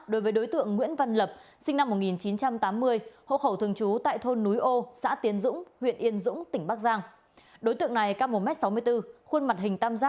đối với đối tượng nguyễn văn lập sinh năm một nghìn chín trăm tám mươi hậu khẩu thường trú tại thôn núi âu xã tiến dũng huyện yên dũng tỉnh bắc giang